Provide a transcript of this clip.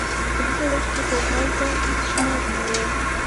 په هغه وخت خو هلته هېڅ جومات نه و.